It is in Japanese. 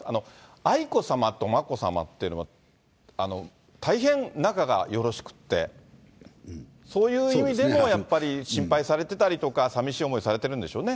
愛子さまと眞子さまっていうのは、大変仲がよろしくって、そういう意味でもやっぱり、心配されてたりとか、さみしい思いをされてるんでしょうね。